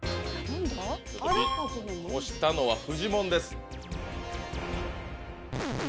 ピンポン押したのはフジモンです。